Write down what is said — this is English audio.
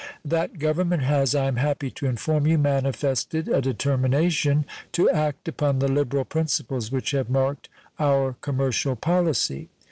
That Government has, I am happy to inform you, manifested a determination to act upon the liberal principles which have marked our commercial policy.